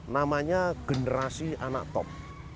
namanya generasi anak top